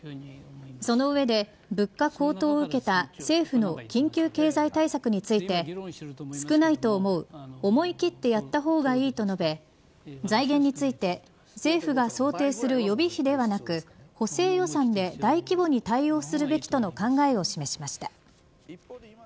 その上で物価高騰を受けた政府の緊急経済対策について少ないと思う思い切ってやったほうがいいと述べ財源について政府が想定する予備費ではなく補正予算で大規模に対応するべきとの考えを示しました。